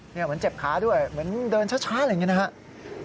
เหมือนเจ็บขาด้วยเหมือนเดินช้าอะไรอย่างนี้นะครับ